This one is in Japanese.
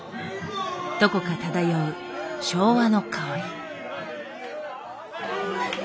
どこか漂う昭和の薫り。